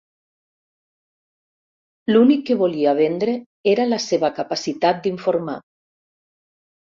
L'únic que volia vendre era la seva capacitat d'informar.